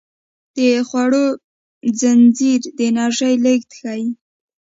د خوړو زنځیر د انرژۍ لیږد ښيي